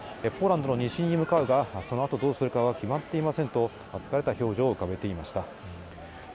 ポーランドの西に向かうが、そのあとどうするかは決まっていませんと、疲れた表情を浮かべていました。